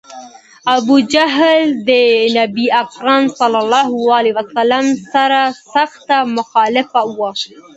ابوجهل د نبي علیه السلام سر سخت مخالف و.